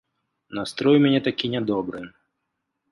Настрой у мяне такі нядобры.